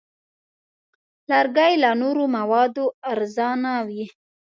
لرګی له نورو موادو ارزانه وي.